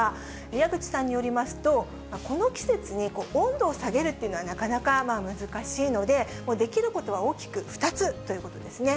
矢口さんによりますと、この季節に温度を下げるっていうのは、なかなか難しいので、できることは大きく２つということですね。